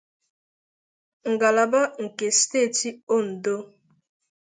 ngalaba nke steeti Ondo